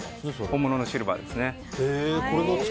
本物のシルバーですね。